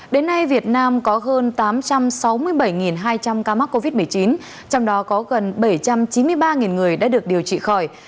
đến nay việt nam có hơn tám trăm sáu mươi bảy hai trăm linh ca mắc covid một mươi chín trong đó có gần bảy trăm chín mươi ba người đã được điều trị khỏi